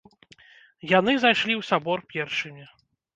Яны зайшлі ў сабор першымі.